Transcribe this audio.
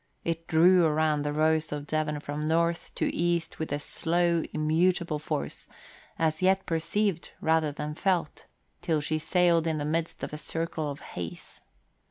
It drew around the Rose of Devon from north to east with a slow, immutable force, as yet perceived rather than felt, till she sailed in the midst of a circle of haze.